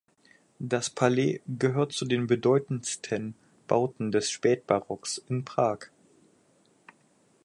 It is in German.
Das Palais gehört zu den bedeutendsten Bauten des Spätbarocks in Prag.